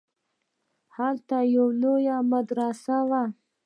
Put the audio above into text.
هلته يوه لويه مدرسه وه.